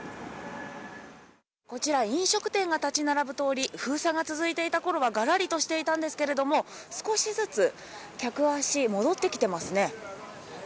こちら、飲食店が立ち並ぶ通り、封鎖が続いていたころはがらりとしていたんですけれども、少しずつ客足、戻ってきてますね。